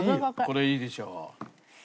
これいいでしょ。